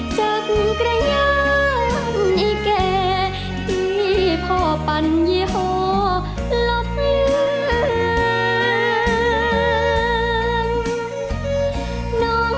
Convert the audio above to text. จากกระย่ามให้แก่ที่พ่อปัญหาหลับเลือน